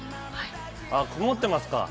曇ってますか？